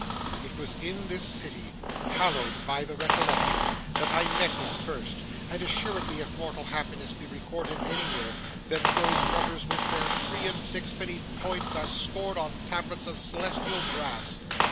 It was in this city (hallowed by the recollection) that I met him first; and assuredly if mortal happiness be recorded anywhere, then those rubbers with their three and sixpenny points are scored on tablets of celestial brass.